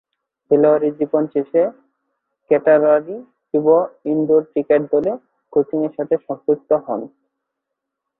খেলোয়াড়ী জীবন শেষে ক্যান্টারবারি যুব ইনডোর ক্রিকেট দলে কোচিংয়ের সাথে সম্পৃক্ত হন।